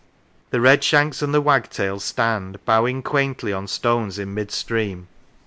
The redshanks and the wagtails stand, bowing quaintly, on stones in mid stream.